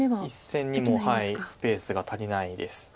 １線にもスペースが足りないです。